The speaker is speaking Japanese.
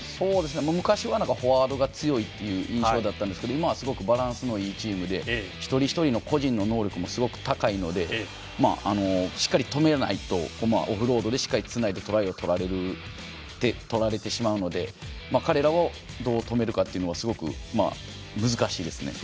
昔はフォワードが強い印象だったんですけども今は、すごくバランスのいいチームで一人一人の個人の能力もすごく高いのでしっかり止めないとオフロードでしっかりつないでトライを取られてしまうので彼らをどう止めるかというのはすごく難しいですね。